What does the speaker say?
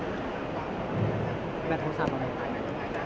อยากจะรองดูเจ้าก็อยากได้